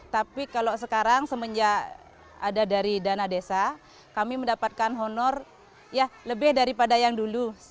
tapi kalau sekarang semenjak ada dari dana desa kami mendapatkan honor ya lebih daripada yang dulu